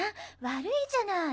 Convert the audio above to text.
悪いじゃない。